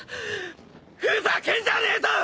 ふざけんじゃねえぞ！